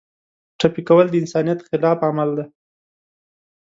ټپي کول د انسانیت خلاف عمل دی.